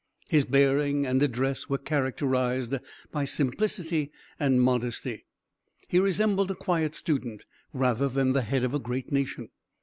His bearing and address were characterized by simplicity and modesty. He resembled a quiet student, rather than the head of a great nation.